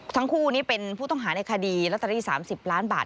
ทั้งคู่นี้เป็นผู้ต้องหาในคดีลอตเตอรี่๓๐ล้านบาท